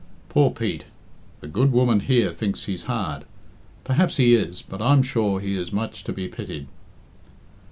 "Poor Pete! The good woman here thinks he's hard. Perhaps he is; but I'm sure he is much to be pitied.